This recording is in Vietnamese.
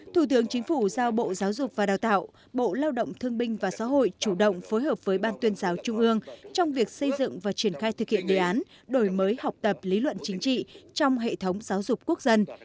thủ tướng chính phủ giao bộ giáo dục và đào tạo bộ lao động thương binh và xã hội chủ động phối hợp với ban tuyên giáo trung ương trong việc xây dựng và triển khai thực hiện đề án đổi mới học tập lý luận chính trị trong hệ thống giáo dục quốc dân